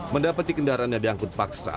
mendapati kendaraannya diangkut paksa